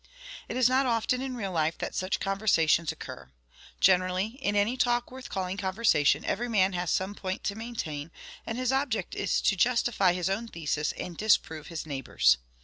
It is not often in real life that such conversations occur. Generally, in any talk worth calling conversation, every man has some point to maintain, and his object is to justify his own thesis and disprove his neighbour's.